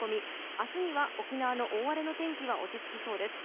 明日には沖縄の大荒れの天気は落ち着きそうです。